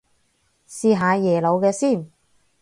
試下耶魯嘅先